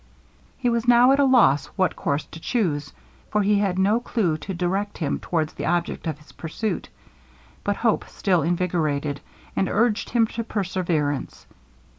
He was now at a loss what course to chuse, for he had no clue to direct him towards the object of his pursuit; but hope still invigorated, and urged him to perseverance.